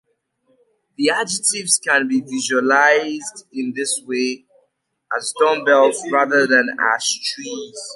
The adjectives can be visualized in this way as "dumbbells" rather than as "trees".